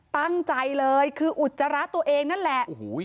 ตั้งใจเลยคืออุจจาระตัวเองนั่นแหละ